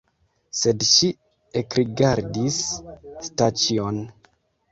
Sed ŝi ekrigardis Staĉjon.